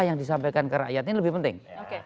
yang disampaikan ke rakyat ini lebih penting